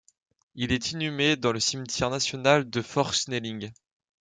Il est inhumé dans le cimetière national de fort Snelling.